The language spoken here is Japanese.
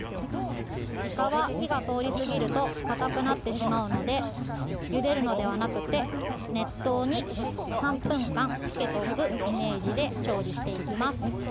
いかは、火が通りすぎるとかたくなってしまうのでゆでるのではなくて熱湯に３分間つけておくイメージで調理していきます。